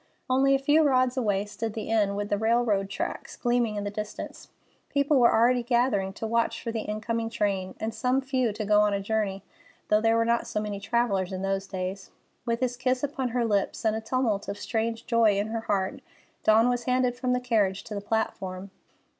Only a few rods away stood the inn, with the railroad tracks gleaming in the distance. People were already gathering to watch for the incoming train; and some few to go a journey, though there were not so many travellers in those days. With his kiss upon her lips and a tumult of strange joy in her heart, Dawn was handed from the carriage to the platform.